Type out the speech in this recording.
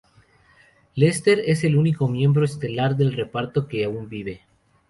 Lester es el único miembro estelar del reparto que aún vive.